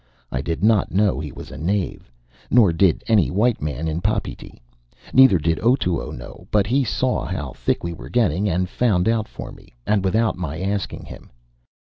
I did not know he was a knave. Nor did any white man in Papeete. Neither did Otoo know, but he saw how thick we were getting, and found out for me, and without my asking him.